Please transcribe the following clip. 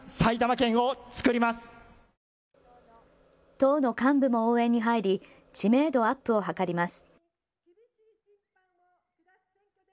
党の幹部も応援に入り、知名度アップを図ります。